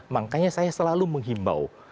makanya saya selalu menghimbau